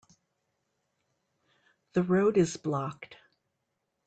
The road is blocked.